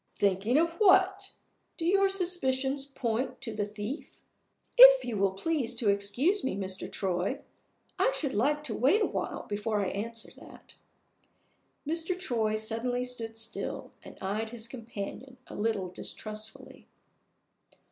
"Thinking of what? Do your suspicions point to the thief?" "If you will please to excuse me, Mr. Troy, I should like to wait a while before I answer that." Mr. Troy suddenly stood still, and eyed his companion a little distrustfully.